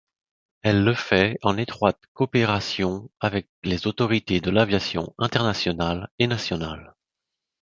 Elle le fait en étroite coopération avec les autorités de l'aviation internationale et nationale.